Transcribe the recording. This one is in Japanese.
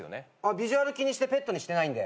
ビジュアル気にしてペットにしてないんで。